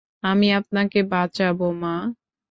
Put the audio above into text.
আমি আপনাকে বাঁচাবো, মা।